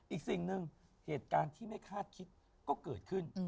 อีกสิ่งหนึ่งเหตุการณ์ที่ไม่คาดคิดก็เกิดขึ้น